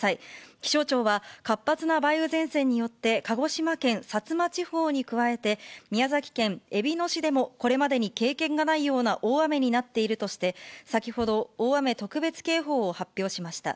気象庁は活発な梅雨前線によって鹿児島県薩摩地方に加えて、宮崎県えびの市でも、これまでに経験がないような大雨になっているとして、先ほど、大雨特別警報を発表しました。